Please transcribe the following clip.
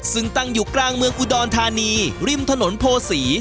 ซึ่งตั้งอยู่กลางเมืองอุดรธานีริมถนนโพศี